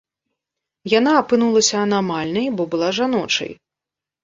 Яна апынулася анамальнай, бо была жаночай.